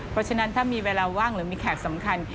เพราะฉะนั้นถ้ามีเวลาว่างหรือมีแขกสำคัญ